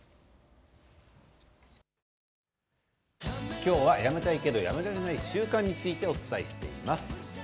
今日はやめたいけどやめられない習慣についてお伝えしています。